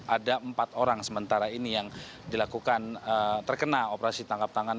ada empat orang sementara ini yang dilakukan terkena operasi tangkap tangan